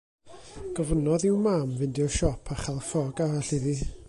Gofynnodd i'w mam fynd i'r siop a chael ffrog arall iddi.